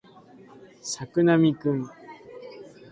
作並くん